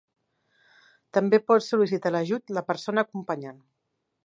També pot sol·licitar l'ajut la persona acompanyant.